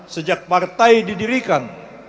sejak partai didirikan